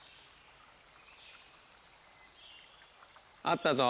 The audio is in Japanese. あったぞ。